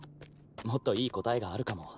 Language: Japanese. もっといい答えがあるかも。